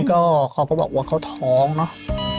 ก็เขาก็บอกว่าเขาท้องเนอะ